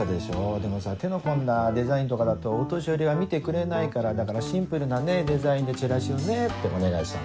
でもさ手の込んだデザインとかだとお年寄りは見てくれないからだからシンプルなデザインでチラシをねってお願いしたの。